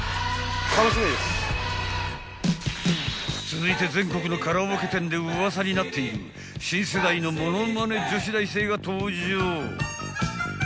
［続いて全国のカラオケ店でウワサになっている新世代のものまね女子大生が登場］